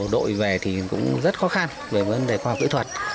đội về thì cũng rất khó khăn về vấn đề khoa học kỹ thuật